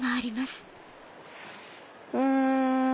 うん。